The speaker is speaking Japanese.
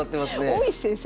大石先生